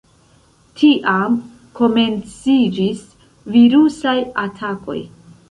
Tiam komenciĝis virusaj atakoj.